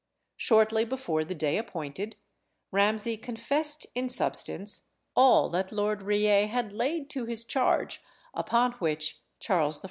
Shortly before the day appointed, Ramsay confessed in substance all that Lord Reay had laid to his charge, upon which Charles I.